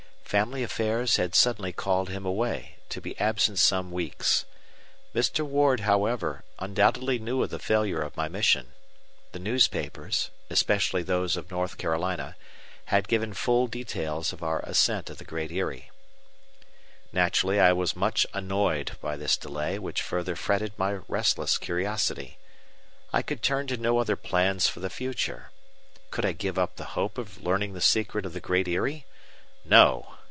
Family affairs had suddenly called him away, to be absent some weeks. Mr. Ward, however, undoubtedly knew of the failure of my mission. The newspapers, especially those of North Carolina, had given full details of our ascent of the Great Eyrie. Naturally, I was much annoyed by this delay which further fretted my restless curiosity. I could turn to no other plans for the future. Could I give up the hope of learning the secret of the Great Eyrie? No!